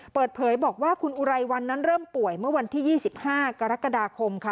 เปิดเผยบอกว่าคุณอุไรวันนั้นเริ่มป่วยเมื่อวันที่๒๕กรกฎาคมค่ะ